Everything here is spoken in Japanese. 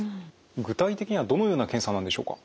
具体的にはどのような検査なんでしょうか？